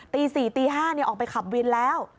ตี๔ตี๕ออกไปขับวินแล้ว